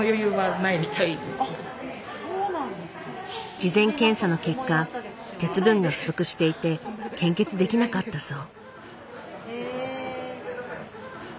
事前検査の結果鉄分が不足していて献血できなかったそう。